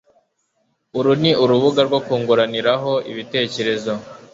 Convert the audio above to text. Uru ni urubuga rwo kunguraniraho ibitekerezo